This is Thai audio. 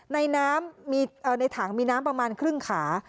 ในน้ำในถังมีน้ำประมาณครึ่งขา